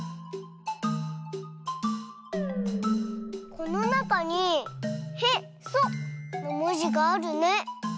このなかに「へ」「そ」のもじがあるね。